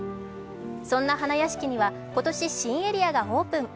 そんな花やしきには、今年新エリアがオープン。